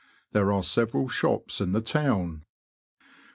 There are several shops in the town.